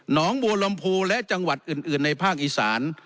หนองบูรมภูและจังหวัดอื่นในภาคอีสาน